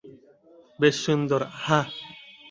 বেশ সুন্দর, হাহ?